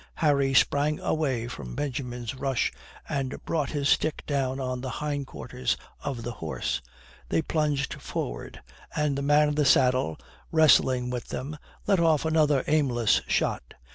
Harry sprang away from Benjamin's rush and brought his stick down on the hindquarters of the horses. They plunged forward, and the man in the saddle, wrestling with them, let off another aimless shot.